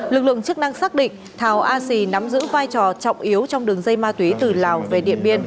lực lượng chức năng xác định thảo a xì nắm giữ vai trò trọng yếu trong đường dây ma túy từ lào về điện biên